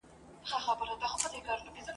زه له ډېري مودې راهیسي پر دې موضوع کار کوم.